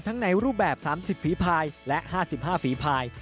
ทั้งในรูปแบบ๓๐ฝีพายและ๕๕ฝีพาย